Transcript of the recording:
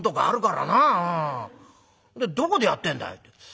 でどこでやってんだい？」。